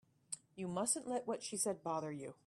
You mustn't let what she said bother you.